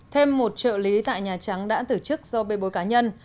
thêm một trợ lý tại nhà trắng đã tử chức do bê bối cá nhân